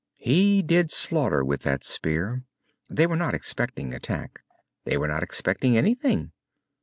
He did slaughter with that spear. They were not expecting attack. They were not expecting anything.